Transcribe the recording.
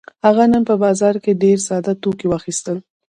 هغه نن په بازار کې ډېر ساده توکي واخيستل.